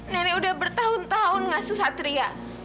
nenek udah bertahun tahun ngasih satria